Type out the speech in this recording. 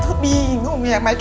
tante bingung ya maik